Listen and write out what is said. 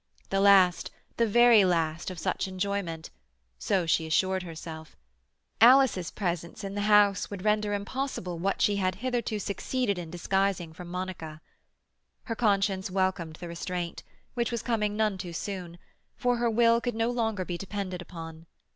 The last, the very last, of such enjoyment; so she assured herself. Alice's presence in the house would render impossible what she had hitherto succeeded in disguising from Monica. Her conscience welcomed the restraint, which was coming none too soon, for her will could no longer be depended upon.